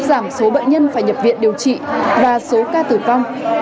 giảm số bệnh nhân phải nhập viện điều trị và số ca tử vong